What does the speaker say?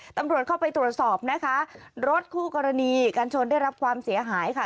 ตำรวจเข้าไปตรวจสอบนะคะรถคู่กรณีการชนได้รับความเสียหายค่ะ